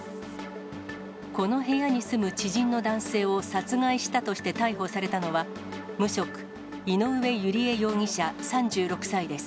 この部屋に住む知人の男性を殺害したとして逮捕されたのは、無職、井上由利恵容疑者３６歳です。